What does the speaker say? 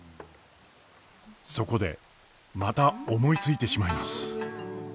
そこでまた思いついてしまいます！